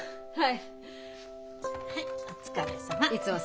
はい。